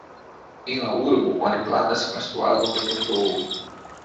En la urbo oni planas konstruadon de metroo.